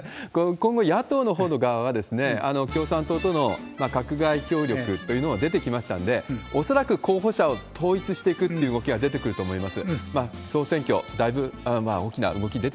今後、野党のほうの側は、共産党との閣外協力というのも出てきましたんで、恐らく候補者を統一していくという動きは出てくると思います。